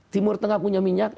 timur tengah punya minyak